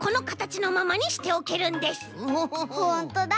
ほんとだ！